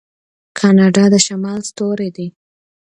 کاناډا د شمال ستوری دی.